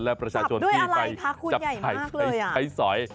และประชาชนที่ไปจับไขสอย